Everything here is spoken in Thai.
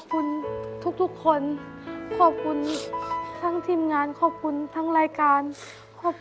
พี่หมายนะครับ